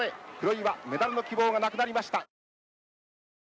黒岩メダルの希望がなくなりました。